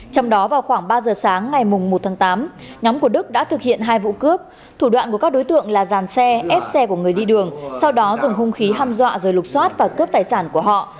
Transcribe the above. trong đó vào khoảng ba giờ sáng ngày một tháng tám nhóm của đức đã thực hiện hai vụ cướp thủ đoạn của các đối tượng là giàn xe ép xe của người đi đường sau đó dùng hung khí hâm dọa rồi lục xoát và cướp tài sản của họ